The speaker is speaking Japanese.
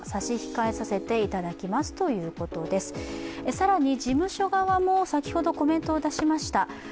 更に、事務所側も先ほどコメントを出しました。